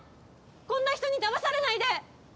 こんな人にだまされないで！